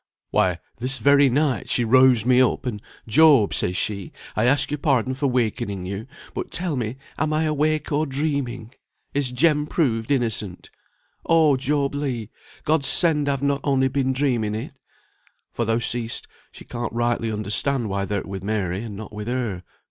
Why, this very night she roused me up, and 'Job,' says she, 'I ask your pardon for wakening you, but tell me, am I awake or dreaming? Is Jem proved innocent? Oh, Job Legh! God send I've not been only dreaming it!' For thou see'st she can't rightly understand why thou'rt with Mary, and not with her.